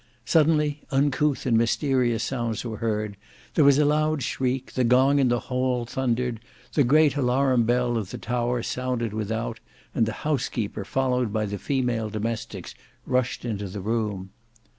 Suddenly uncouth and mysterious sounds were heard, there was a loud shriek, the gong in the hail thundered, the great alarum bell of the tower sounded without, and the housekeeper followed by the female domestics rushed into the room.